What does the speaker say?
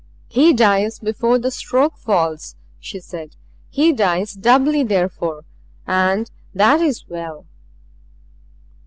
"He dies before the stroke falls," she said. "He dies doubly therefore and that is well."